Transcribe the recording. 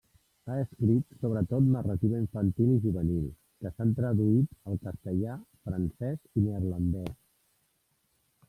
Ha escrit sobretot narrativa infantil i juvenil que s'han traduït al castellà, francès i neerlandès.